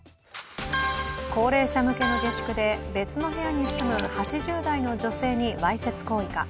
高齢者向けの下宿で、別の部屋に住む８０代の女性にわいせつ行為か。